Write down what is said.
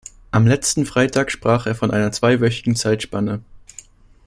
Am letzten Freitag sprach er von einer zweiwöchigen Zeitspanne.